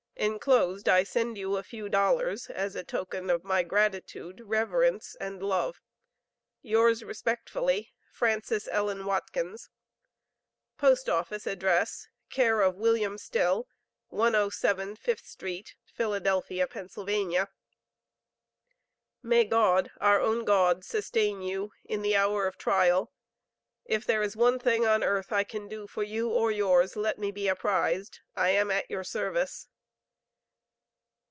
Enclosed I send you a few dollars as a token of my gratitude, reverence and love. Yours respectfully, FRANCES ELLEN WATKINS. Post Office address: care of William Still, 107 Fifth St., Philadelphia, Penn. May God, our own God, sustain you in the hour of trial. If there is one thing on earth I can do for you or yours, let me be apprized. I am at your service.